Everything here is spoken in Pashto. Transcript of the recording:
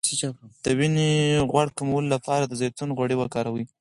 د وینې غوړ کمولو لپاره د زیتون غوړي وکاروئ